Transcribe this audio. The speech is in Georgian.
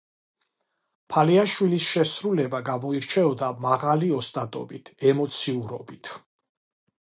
ფალიაშვილის შესრულება გამოირჩეოდა მაღალი ოსტატობით, ემოციურობით.